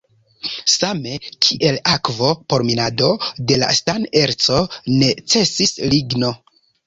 Same kiel akvo por minado de la stan-erco necesis ligno.